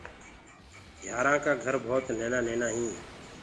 گھيآرآنٚ ڪآ گھر ڀوت نهينآ نهينآ هينٚ۔